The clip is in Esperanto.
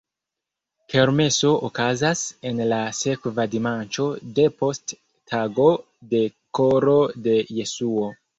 Kermeso okazas en la sekva dimanĉo depost tago de Koro de Jesuo.